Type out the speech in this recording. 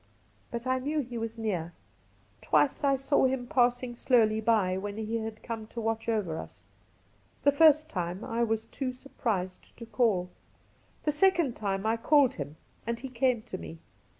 But I knew he was near. Twice I saw him passing, slowly by at night when he had come to watch over us. The first time I was too surprised to call. The second time I called him and he came to me.